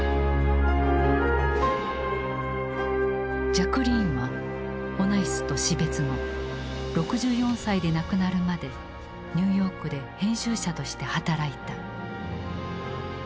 ジャクリーンはオナシスと死別後６４歳で亡くなるまでニューヨークで編集者として働いた。